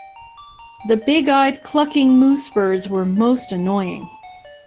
The big-eyed, clucking moose-birds were most annoying.